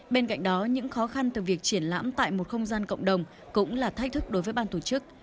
bên cạnh đó những khó khăn từ việc triển lãm tại một không gian cộng đồng cũng là thách thức đối với ban tổ chức